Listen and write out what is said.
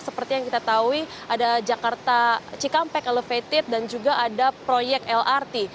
seperti yang kita tahu ada jakarta cikampek elevated dan juga ada proyek lrt